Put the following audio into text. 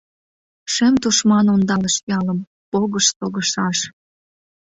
Шем тушман ондалыш ялым, Погыш согышаш.